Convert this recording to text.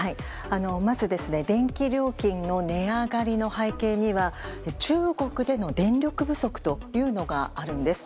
まず電気料金の値上がりの背景には中国での電力不足というのがあるんです。